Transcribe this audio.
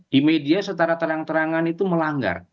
di media secara terang terangan itu melanggar